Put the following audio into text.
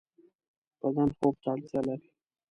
بدن خوب ته اړتیا لری